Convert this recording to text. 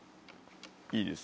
いいです。